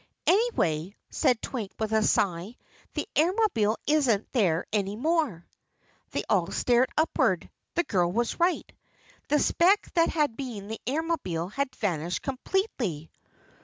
"Anyway," said Twink with a sigh, "the Airmobile isn't there any more." They all stared upward. The girl was right. The speck that had been the Airmobile had vanished completely.